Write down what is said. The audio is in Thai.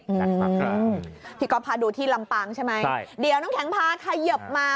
พี่ก๊อฟพาดูที่ลำปางใช่ไหมใช่เดี๋ยวน้ำแข็งพาเขยิบมา